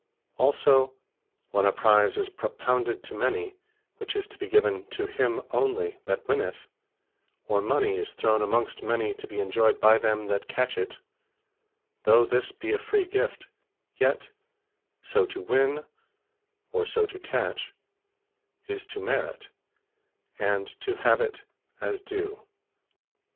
Also when a Prize is propounded to many, which is to be given to him onely that winneth; or mony is thrown amongst many, to be enjoyed by them that catch it; though this be a Free Gift; yet so to Win, or so to Catch, is to Merit, and to have it as DUE.